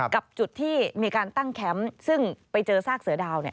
กับจุดที่มีการตั้งแคมป์ซึ่งไปเจอซากเสือดาว